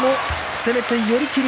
攻めて寄り切り。